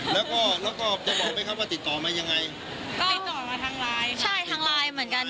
แล้วก็แล้วก็จะบอกไหมครับว่าติดต่อมายังไงก็ติดต่อมาทางไลน์ใช่ทางไลน์เหมือนกัน